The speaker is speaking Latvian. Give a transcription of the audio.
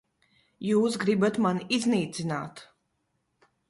Jūs gribat mani iznīcināt.